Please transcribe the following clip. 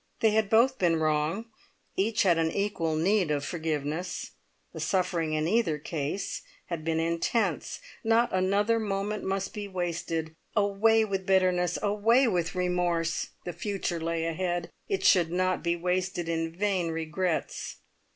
They had both been wrong; each had an equal need of forgiveness, the suffering in either case had been intense not another moment must be wasted! Away with bitterness, away with remorse, the future lay ahead, it should not be wasted in vain regrets.